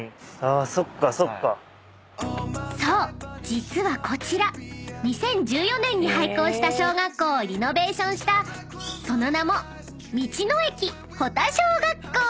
実はこちら２０１４年に廃校した小学校をリノベーションしたその名も］